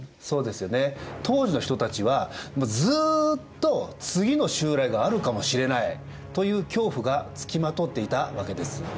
当時の人たちはずっと次の襲来があるかもしれないという恐怖がつきまとっていたわけです。